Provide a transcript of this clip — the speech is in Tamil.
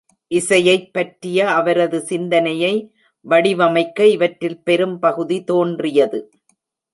இசையைப் பற்றிய அவரது சிந்தனையை வடிவமைக்க இவற்றில் பெரும்பகுதி தோன்றியது.